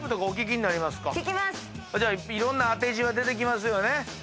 じゃあいろんな当て字が出てきますよね。